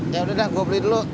ya udah dah gue beli dulu